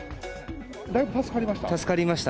だいぶ助かりました？